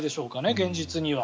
現実には。